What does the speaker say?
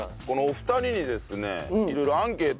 お二人にですね